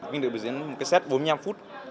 vinh được biểu diễn một cái set bốn mươi năm phút